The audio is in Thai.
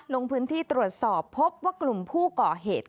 ลงพื้นที่ตรวจสอบพบว่ากลุ่มผู้ก่อเหตุ